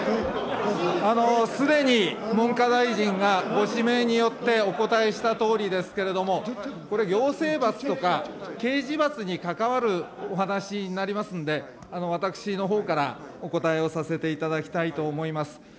すでに文科大臣がご指名によってお答えしたとおりですけれども、これ、行政罰とか刑事罰に関わるお話になりますんで、私のほうからお答えをさせていただきたいと思います。